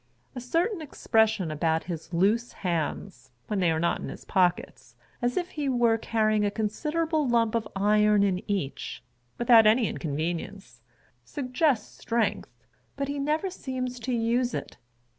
A certain expression about his loose hands, when they are not in his pockets, as if he were carrying a considerable lump of iron in each, without any inconvenience, suggests strength, but he never seems to use it.